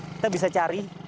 kita bisa cari